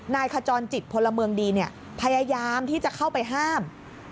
ขจรจิตพลเมืองดีพยายามที่จะเข้าไปห้าม